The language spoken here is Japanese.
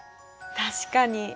確かに。